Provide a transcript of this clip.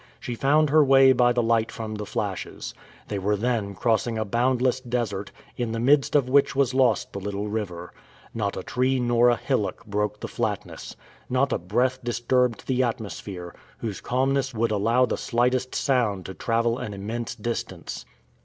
She found her way by the light from the flashes. They were then crossing a boundless desert, in the midst of which was lost the little river. Not a tree nor a hillock broke the flatness. Not a breath disturbed the atmosphere, whose calmness would allow the slightest sound to travel an immense distance.